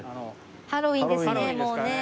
ハロウィーンですね